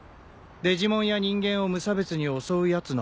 デジモンや人間を無差別に襲うやつの話。